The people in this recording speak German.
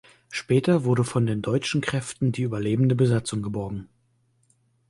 Später wurde von den deutschen Kräften die überlebende Besatzung geborgen.